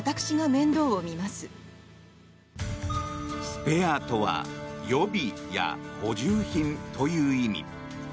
スペアとは予備や補充品という意味。